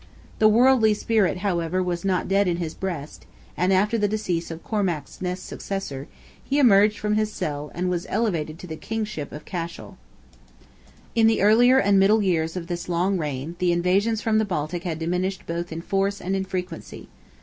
The worldly spirit, however, was not dead in his breast, and after the decease of Cormac's next successor, he emerged from his cell, and was elevated to the kingship of Cashel. In the earlier and middle years of this long reign, the invasions from the Baltic had diminished both in force and in frequency.